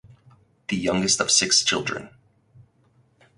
The youngest of six children.